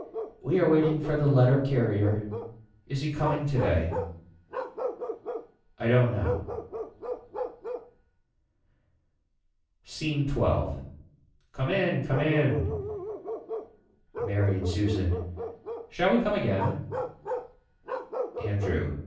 We are waiting for the letter carrier. Is he coming today. I don't know. SCENE XII. Come in Come in Mary and Susan. Shall we come again. Andrew.